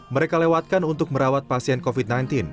mereka lewatkan untuk merawat pasien covid sembilan belas